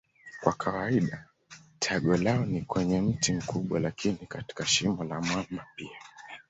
Kwa kawaida tago lao ni kwenye mti mkubwa lakini katika shimo la mwamba pia.